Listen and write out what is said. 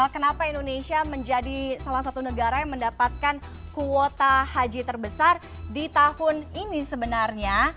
kenapa indonesia menjadi salah satu negara yang mendapatkan kuota haji terbesar di tahun ini sebenarnya